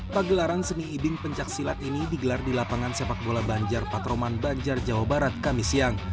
pagelaran seni iding pencaksilat ini digelar di lapangan sepak bola banjar patroman banjar jawa barat kami siang